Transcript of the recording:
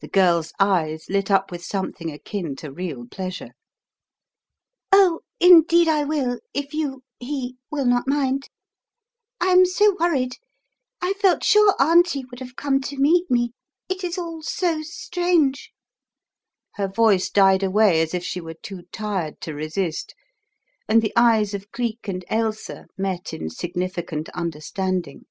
The girl's eyes lit up with something akin to real pleasure. Oh, indeed I will, if you — he — will not mind; «/ 8 The Riddle of the Purple Emperor I am so worried. I felt sure Auntie would have come to meet me. It is all so strange " Her voice died away as if she were too tired to resist, and the eyes of Geek and Ailsa met in significant under standing.